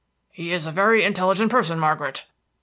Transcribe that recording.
"He is a very intelligent person, Margaret."